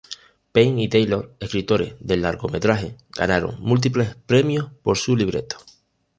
Payne y Taylor, escritores del largometraje, ganaron múltiples premios por su libreto.